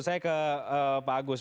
saya ke pak agus